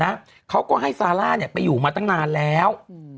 เขาก็ให้ซาร่าเนี่ยไปอยู่มาตั้งนานแล้วอืม